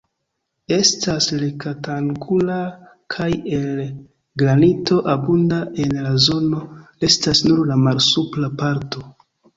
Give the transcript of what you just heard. Estas rektangula kaj el granito abunda en la zono: restas nur la malsupra parto.